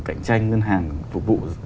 cạnh tranh ngân hàng phục vụ